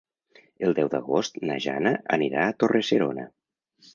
El deu d'agost na Jana anirà a Torre-serona.